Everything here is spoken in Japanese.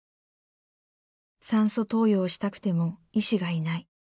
酸素投与をしたくても医師がいない。